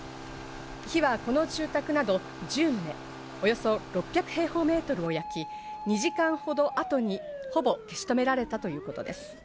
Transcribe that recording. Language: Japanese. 火はこの住宅など１０棟およそ６００平方メートルを焼き、２時間ほど後に、ほぼ消し止められたということです。